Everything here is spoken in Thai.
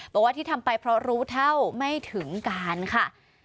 บอกว่าที่ทำไปเพราะรู้เท่าไม่ถึงการค่ะ